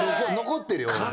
残ってるよ。